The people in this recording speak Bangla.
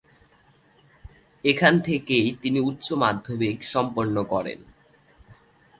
এখান থেকেই তিনি উচ্চ মাধ্যমিক সম্পন্ন করেন।